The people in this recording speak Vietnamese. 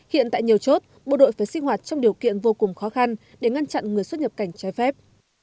hiện tại nhiều chốt bộ đội phải sinh hoạt trong điều kiện vô cùng khó khăn để ngăn chặn người xuất nhập cảnh trái phép